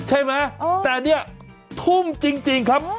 ใช่ไหมแต่เนี่ยทุ่มจริงครับ